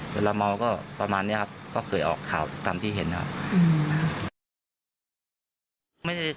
ตามการทำงานนะครับถ้าเรามีผิดพลาดก็ต้องโดนว่า